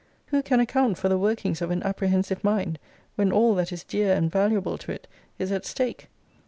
Who can account for the workings of an apprehensive mind, when all that is dear and valuable to it is at stake?